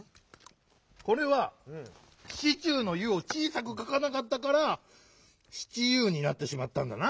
これは「シチュー」の「ユ」をちいさくかかなかったから「シチユー」になってしまったんだな。